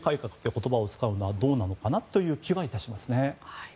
言葉を使うのはどうなのかなという気はいたしますね。